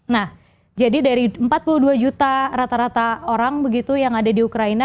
nah jadi dari empat puluh dua juta rata rata orang begitu yang ada di ukraina